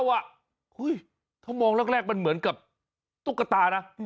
ถ้ามองแรกมันเหมือนกับตุ๊กตานะ